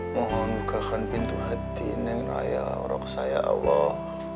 mohon bukakan pintu hati neng raya roh kesayangan allah